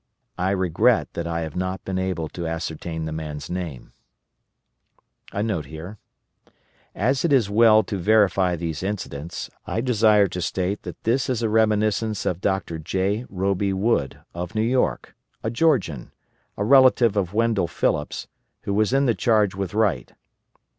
* I regret that I have not been able to ascertain the man's name. [* As it is well to verify these incidents, I desire to state that this is a reminiscence of Dr. J. Robie Wood, of New York, a Georgian, a relative of Wendell Phillips, who was in the charge with Wright.